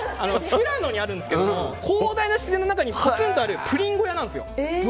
富良野にあるんですが広大な自然の中にポツンとあるプリン小屋なんです。